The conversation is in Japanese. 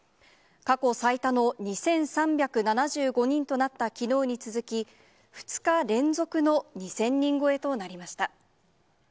過去最多の２３７５人となったきのうに続き、２日連続の２０００人超えとなりました。